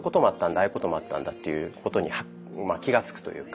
ああいうこともあったんだということに気がつくというか。